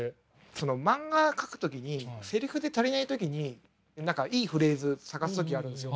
その漫画描く時にセリフで足りない時に何かいいフレーズ探す時あるんですよ。